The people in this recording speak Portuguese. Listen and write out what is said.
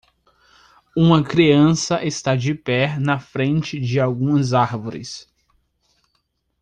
Uma criança está de pé na frente de algumas árvores.